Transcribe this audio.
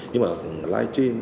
nhưng mà live stream